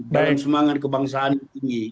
dalam semangat kebangsaan ini